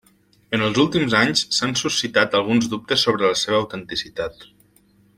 En els últims anys, s'han suscitat alguns dubtes sobre la seva autenticitat.